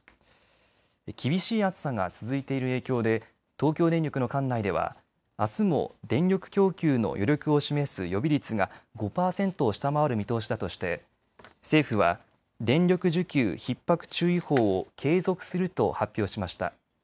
厳しい暑さが続いている影響で東京電力の管内では、あすも電力供給の余力を示す予備率が５％を下回る見通しだとして政府は電力需給ひっ迫注意報を継続すると発表しました。